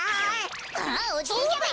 あっおじいちゃま。